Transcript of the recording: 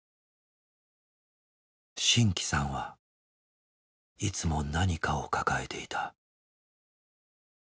真気さんはいつも何かを抱えていた。